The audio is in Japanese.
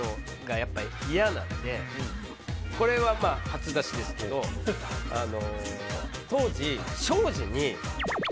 これは初出しですけどあの。